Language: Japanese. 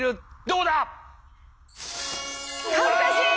恥ずかしい！